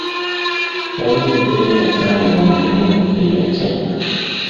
Waliwo embeera eyasangibwa mu bitundu ebya China.